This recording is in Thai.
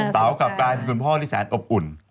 เต๋ากลับกลายเป็นคุณพ่อที่แสนอบอุ่น